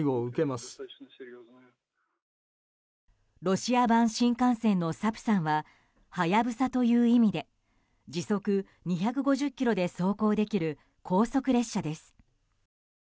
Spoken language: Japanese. ロシア版新幹線の「サプサン」はハヤブサという意味で時速２５０キロで走行できる高速列車です。